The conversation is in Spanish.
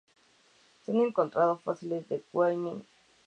Se han encontrado fósiles en Wyoming.